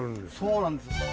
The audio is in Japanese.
そうなんです。